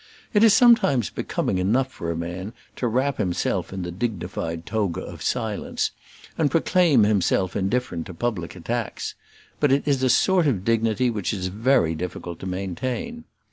It is sometimes becoming enough for a man to wrap himself in the dignified toga of silence, and proclaim himself indifferent to public attacks; but it is a sort of dignity which it is very difficult to maintain.